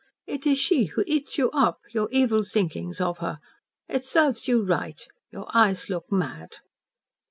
It is she who eats you op your evil thinkings of her. It serve you right. Your eyes look mad."